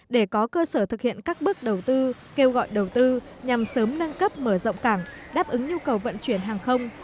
để có cơ sở thực hiện các bước đầu tư kêu gọi đầu tư nhằm sớm nâng cấp mở rộng cảng đáp ứng nhu cầu vận chuyển hàng không